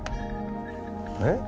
えっ？